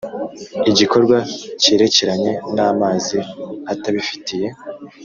igikorwa cyerekeranye n amazi atabifitiye